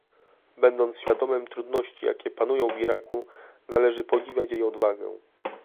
Będąc świadomym trudności, jakie panują w Iraku, należy podziwiać jej odwagę